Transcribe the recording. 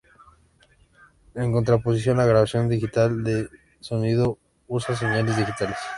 En contraposición la grabación digital de sonido usa señales digitales.